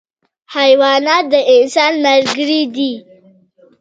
حیوانات د انسان ملګري دي.